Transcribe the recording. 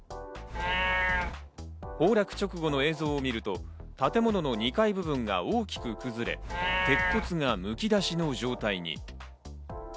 崩落直後の映像を見ると建物の２階部分が大きく崩れ、鉄骨がむき出しの状態に。